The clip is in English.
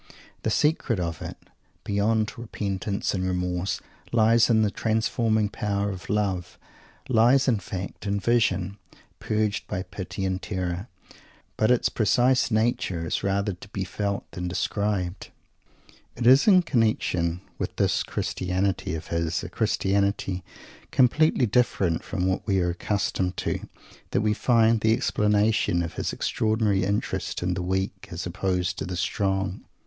The secret of it, beyond repentance and remorse, lies in the transforming power of "love;" lies, in fact, in "vision" purged by pity and terror; but its precise nature is rather to be felt than described. It is in connection with this Christianity of his, a Christianity completely different from what we are accustomed to, that we find the explanation of his extraordinary interest in the "weak" as opposed to the "strong."